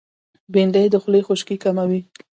بېنډۍ د خولې خشکي کموي